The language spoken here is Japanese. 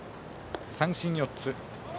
三振４つ。